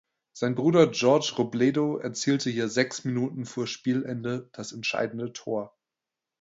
Sein Bruder George Robledo erzielte hier sechs Minuten vor Spielende das entscheidende Tor.